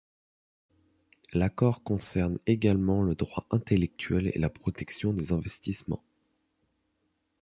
L'accord concerne également le droit intellectuel et la protection des investissements.